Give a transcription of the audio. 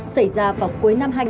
xảy ra vào cuối năm